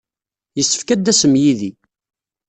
Yessefk ad d-tasem yid-i.